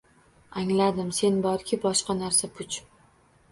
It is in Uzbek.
Angladim, Sen bor-ki, boshqa narsa – puch…